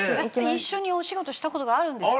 一緒にお仕事した事があるんですか？